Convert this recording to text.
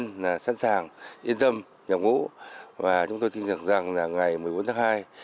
quân nhân sẵn sàng yên tâm nhập ngũ và chúng tôi tin được rằng ngày một mươi bốn tháng hai